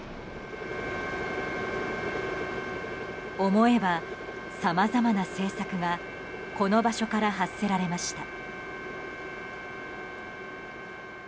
思えば、さまざまな政策がこの場所から発せられました。